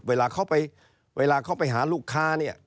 เวลาเขาไปหาลูกค้าเนี่ย